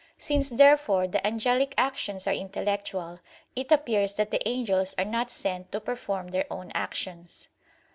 Since therefore the angelic actions are intellectual, it appears that the angels are not sent to perform their own actions.